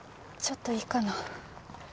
ちょっといいかな？